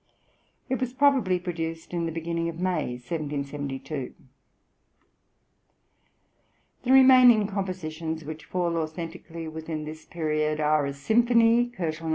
It was probably produced in the beginning of May, 1772. The remaining compositions which fall authentically within this period are a symphony (124 K.)